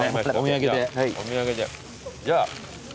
お土産で。